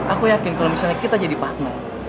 aku yakin kalau misalnya kita jadi partner